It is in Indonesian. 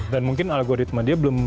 dan mungkin algoritma dia belum ngikuti